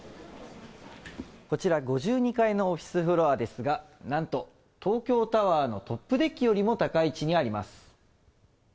こちら５２階のオフィスフロアですが、なんと東京タワーのトップデッキよりも高い位置にあります。